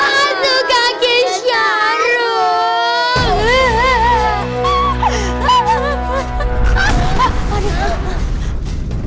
aduh kakek syarul